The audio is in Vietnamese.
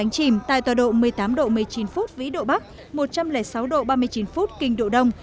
chìm tại tòa độ một mươi tám độ một mươi chín phút vĩ độ bắc một trăm linh sáu độ ba mươi chín phút kinh độ đông